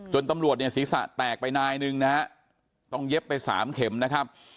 จนตำรวจศีรษะแตกไปนายนึงนะฮะต้องเย็บไป๓เข็มนะฮะ